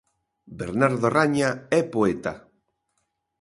Bernardo Raña é poeta.